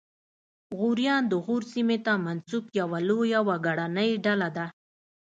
غوریان د غور سیمې ته منسوب یوه لویه وګړنۍ ډله ده